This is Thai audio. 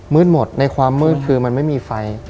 หมดในความมืดคือมันไม่มีไฟ